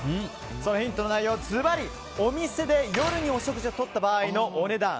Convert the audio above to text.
そのヒントの内容は、ずばりお店で夜にお食事をした場合のお値段。